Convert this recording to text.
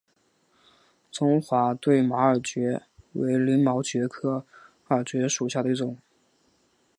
中华对马耳蕨为鳞毛蕨科耳蕨属下的一个种。